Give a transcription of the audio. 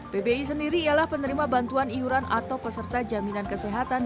pbi sendiri ialah penerima bantuan iuran atau peserta jaminan kesehatan